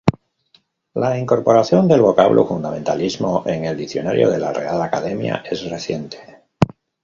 La incorporación del vocablo "fundamentalismo" en el diccionario de la Real Academia es reciente.